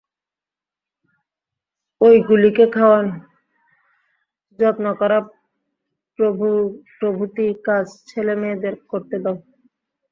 ঐগুলিকে খাওয়ান, যত্ন করা প্রভৃতি কাজ ছেলেমেয়েদের করতে দাও।